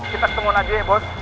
kita ketemuan aja ya bos